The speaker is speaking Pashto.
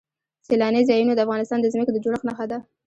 سیلانی ځایونه د افغانستان د ځمکې د جوړښت نښه ده.